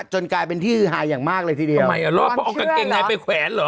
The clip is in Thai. จนกลายเป็นที่หายอย่างมากเลยทีเดียวเอากางเกงไหนไปแขวนเหรอ